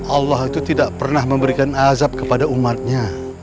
allah itu tidak pernah memberikan azab kepada umatnya